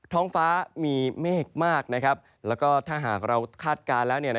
ท้องฟ้ามีเมฆมากแล้วก็ถ้าหากเราคาดการณ์แล้ว